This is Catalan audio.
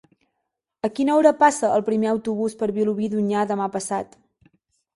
A quina hora passa el primer autobús per Vilobí d'Onyar demà passat?